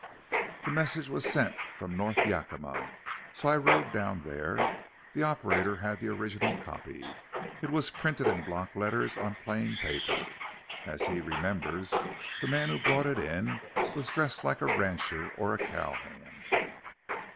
"The message was sent from North Yakima, so I rode down there. The operator had the original copy. It was printed in block letters on plain paper. As he remembers, the man who brought it in was dressed like a rancher or a cow hand."